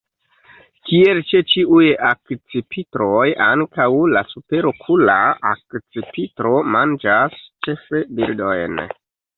Kiel ĉe ĉiuj akcipitroj, ankaŭ la Superokula akcipitro manĝas ĉefe birdojn.